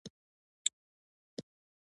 شیدې د ویټامینونو او مینرالونو غټه زېرمه ده